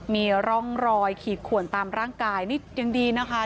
มีร่องรอยขีดขวนตามร่างกายนี่ยังดีนะคะ